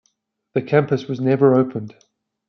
The campus was never opened.